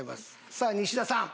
さあ西田さん。